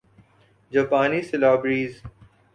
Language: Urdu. جاپانی سیلابریز